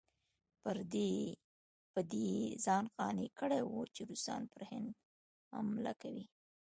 په دې یې ځان قانع کړی وو چې روسان پر هند حمله کوي.